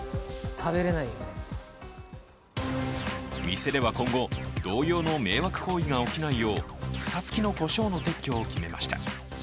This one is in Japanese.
店では今後同様の迷惑行為が行われないよう蓋付きのこしょうの撤去を決めました。